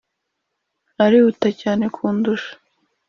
arihuta cyane kundusha.